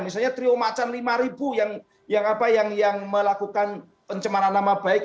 misalnya trio macan lima ribu yang melakukan pencemaran nama baik